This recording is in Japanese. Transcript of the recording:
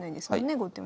後手も。